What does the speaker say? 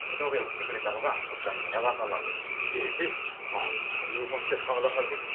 あっ初めまして真田ハルです。